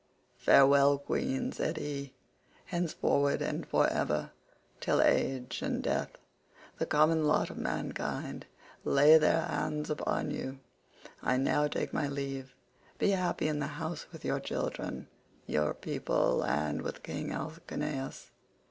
"Farewell, queen," said he, "henceforward and for ever, till age and death, the common lot of mankind, lay their hands upon you. I now take my leave; be happy in this house with your children, your people, and with king Alcinous."